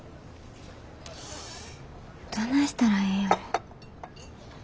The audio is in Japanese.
どないしたらええんやろ。